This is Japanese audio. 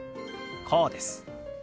こうです。